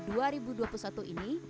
membuat saya begitu terpesona